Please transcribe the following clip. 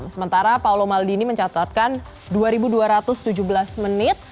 sementara paulo maldini mencatatkan dua dua ratus tujuh belas menit